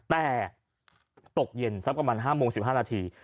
แต่ตกเย็นสักประมาณ๕โมง๑๕นาที